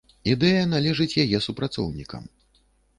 Ідэя належыць яе супрацоўнікам.